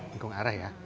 ingkung areh ya